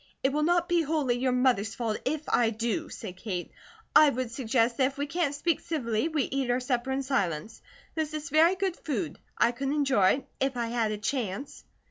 "It will not be wholly your mother's fault, if I do," said Kate. "I would suggest that if we can't speak civilly, we eat our supper in silence. This is very good food; I could enjoy it, if I had a chance."